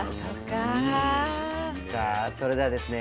さあそれではですね